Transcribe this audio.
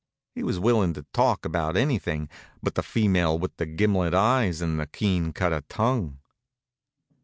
He was willin' to talk about anything but the female with the gimlet eyes and the keen cutter tongue.